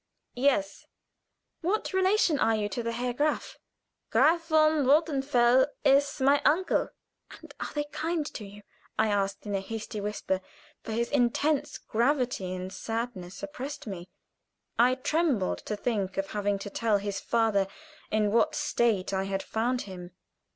"Yes." "What relation are you to the Herr Graf?" "Graf von Rothenfels is my uncle." "And are they kind to you?" I asked, in a hasty whisper, for his intense gravity and sadness oppressed me. I trembled to think of having to tell his father in what state I had found him.